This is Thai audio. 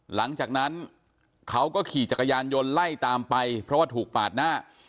หลังจากนั้นเขาก็ขี่จักรยานยนต์ไล่ตามไปเพราะว่าถูกปาดหน้า